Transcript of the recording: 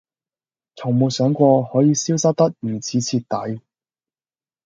從沒想過可以消失得如此徹底